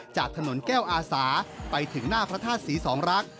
จากถนนแก้วอาสาไปถึงหน้าพระธาตุศรีสองรักษ